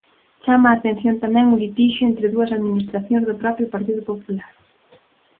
Chama a atención tamén o litixio entre dúas administracións do propio Partido Popular.